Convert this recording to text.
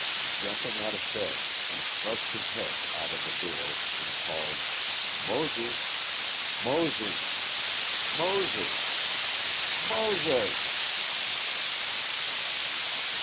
Jumping out of bed he thrust his head out of the door and called, "Moses!" "Moses!!" "MOSES!!!" "MOSES!!!!"